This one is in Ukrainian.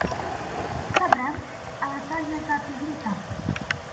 — Добре. Але то є за півліта.